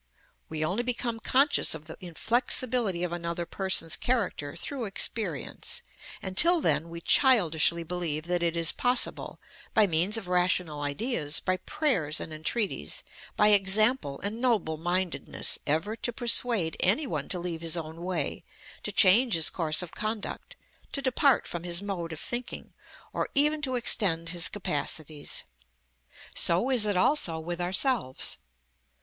_ We only become conscious of the inflexibility of another person's character through experience, and till then we childishly believe that it is possible, by means of rational ideas, by prayers and entreaties, by example and noble mindedness, ever to persuade any one to leave his own way, to change his course of conduct, to depart from his mode of thinking, or even to extend his capacities: so is it also with ourselves.